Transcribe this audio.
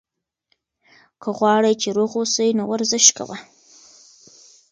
که غواړې چې روغ اوسې، نو ورزش کوه.